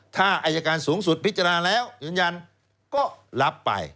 ถ้าอายการสูงสุดพิจารณาแล้วยืนยันก็รับไป